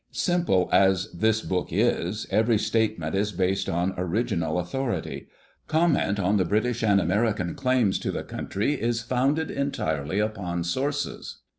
Simple as this book is, every statement is based on original authority. Comment on the British and Amer Digitized by Google PREFACE lean claims to the eountry is founded entirely upon sources.